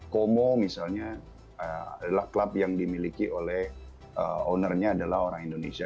como misalnya adalah klub yang dimiliki oleh ownernya adalah orang indonesia